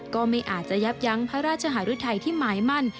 ก็ไม่อาจจะยับยั้งพระราชหารุทัยที่หมายมั่น